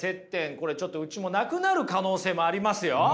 これちょっとうちもなくなる可能性もありますよ。